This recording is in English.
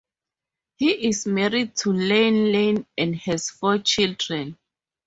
He is married to Lenlen and has four children.